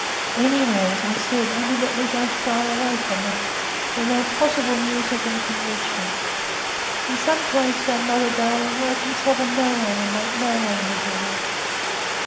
"Anywhere, as I said; only let me go far away from them, where no possible news of them can reach me. In some place, oh, mother darling! where I can trouble no one and make no one miserable."